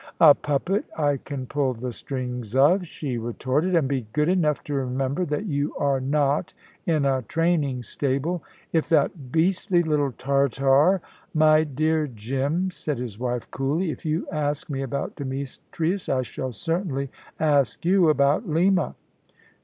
"A puppet I can pull the strings of," she retorted; "and be good enough to remember that you are not in a training stable." "If that beastly little Tartar " "My dear Jim," said his wife coolly, "if you ask me about Demetrius, I shall certainly ask you about Lima."